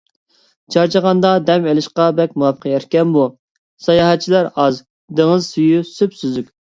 چارچىغاندا دەم ئېلىشقا بەك مۇۋاپىق يەر ئىكەن بۇ. ساياھەتچىلەر ئاز، دېڭىز سۈيى سۈپسۈزۈك.